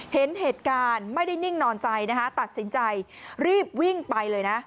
เห็นเหตุการณ์ไม่ได้นิ่งนอนใจนะคะตัดสินใจรีบวิ่งไปเลยนะ